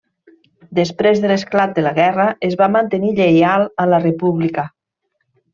Després de l'esclat de la guerra es va mantenir lleial a la República.